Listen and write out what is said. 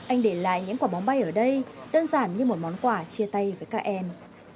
anh để lại những quả bóng bay ở đây đơn giản như một món quà chia tay với các em